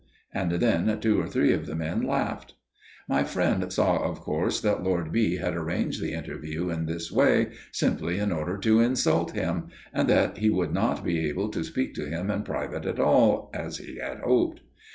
"And then two or three of the men laughed. "My friend saw of course that Lord B. had arranged the interview in this way simply in order to insult him, and that he would not be able to speak to him in private at all, as he had hoped.